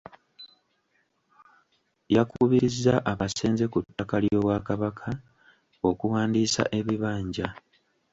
Yakubirizza abasenze ku ttaka ly’Obwakabaka okuwandiisa ebibanja.